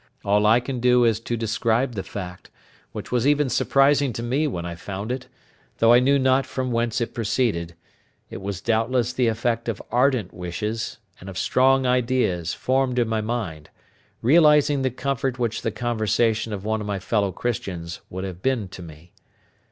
All I can do is to describe the fact, which was even surprising to me when I found it, though I knew not from whence it proceeded; it was doubtless the effect of ardent wishes, and of strong ideas formed in my mind, realising the comfort which the conversation of one of my fellow Christians would have been to me.